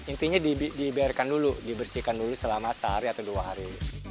intinya dibiarkan dulu dibersihkan dulu selama sehari atau dua hari